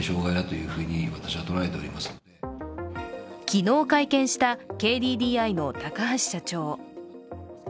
昨日会見したＫＤＤＩの高橋社長。